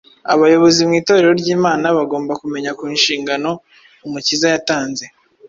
Abayobozi mu Itorero ry’Imana bagomba kumenya ku inshingano Umukiza yatanze